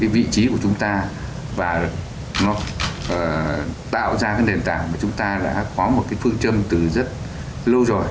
vị trí của chúng ta và nó tạo ra nền tảng mà chúng ta đã có một phương châm từ rất lâu rồi